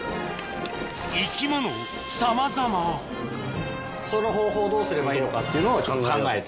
生き物さまざまその方法をどうすればいいのかっていうのをちゃんと考えて。